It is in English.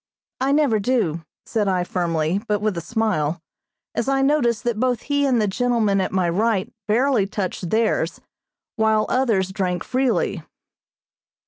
"I never do," said I firmly, but with a smile, as I noticed that both he and the gentleman at my right barely touched theirs, while others drank freely.